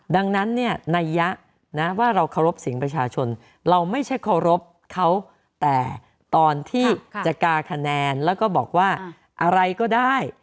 ดังนั้นเนี่ยนัยยะนะว่าเราเคารพเสียงประชาชนเราไม่ใช่เคารพเขาแต่ตอนที่จะกาคะแนนแล้วก็บอกว่าอะไรก็ได้